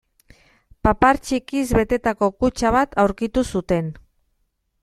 Papar txikiz betetako kutxa bat aurkitu zuten.